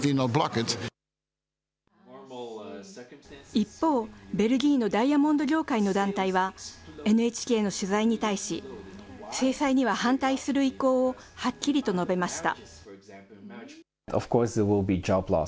一方、ベルギーのダイヤモンド業界の団体は、ＮＨＫの取材に対し、制裁には反対する意向をはっきりと述べました。